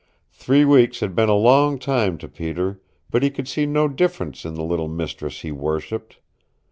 Three weeks had been a long time to Peter, but he could see no difference in the little mistress he worshipped.